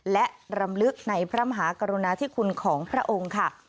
และรำลึกในพระมหากรุณาธิคุณของพระองค์ค่ะ